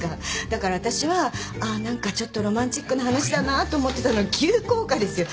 だから私はああ何かちょっとロマンチックな話だなと思ってたのに急降下ですよ。